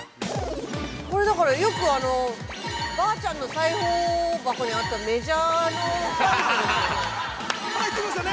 ◆これだから、よく、ばあちゃんの裁縫箱にあったメジャーのサイズですよね。